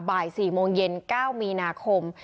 บ่าย๔โมงเย็น๙มีนาคม